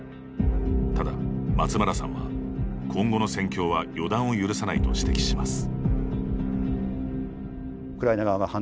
ただ、松村さんは、今後の戦況は予断を許さないと指摘します。